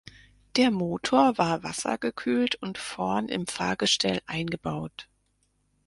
Der Motor war wassergekühlt und vorn im Fahrgestell eingebaut.